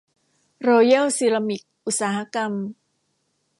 โรแยล ซีรามิค อุตสาหกรรม